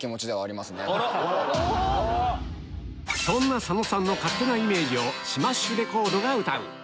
そんな佐野さんの勝手なイメージをシマッシュレコードが歌う